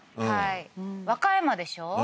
はい和歌山でしょ？